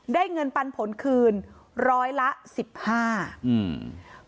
ได้เงินปันผลคืนร้อยละ๑๕อืม